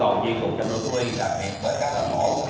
trong lúc lưu ý đặc biệt với các lò mổ